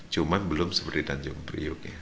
cuma belum seperti tanjung priuk ya